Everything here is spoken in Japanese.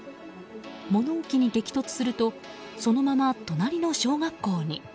物置に激突するとそのまま隣の小学校に。